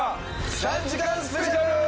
３時間スペシャル！